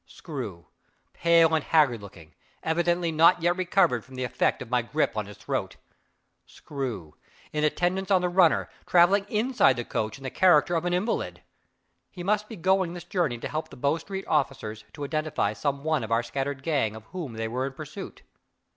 Screw, pale and haggard looking, evidently not yet recovered from the effect of my grip on his throat! Screw, in attendance on the runner, traveling inside the coach in the character of an invalid. He must be going this journey to help the Bow Street officers to identify some one of our scattered gang of whom they were in pursuit.